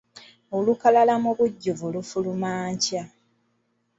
Olukalala mu bujjuvu lufuluma nkya.